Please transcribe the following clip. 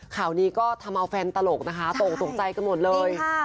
ข่าวนี้ก็ทำเอาแฟนตลกนะคะตกตกใจกันหมดเลย